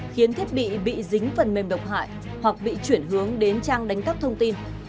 khiến thiết bị bị dính phần mềm độc hại hoặc bị chuyển hướng đến trang đánh cắp thông tin